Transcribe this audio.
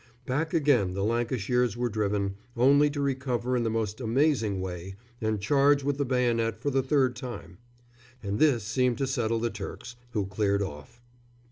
Back again the Lancashires were driven, only to recover in the most amazing way and charge with the bayonet for the third time. And this seemed to settle the Turks, who cleared off.